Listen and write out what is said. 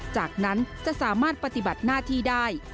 จากนั้นจะสามารถปฏิบัติหน้าที่ได้